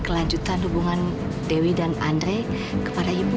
kelanjutan hubungan dewi dan andre kepada ibu